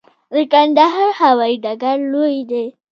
د کندهار هوايي ډګر لوی دی